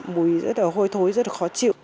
mùi rất là hôi thối rất là khó chịu